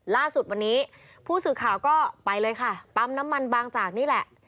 ล่าสุดวันนี้ผู้สื่อข่าวก็ไปเลยค่ะปั๊มน้ำมันบางจากนี่แหละ